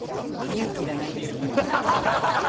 勇気がないですね。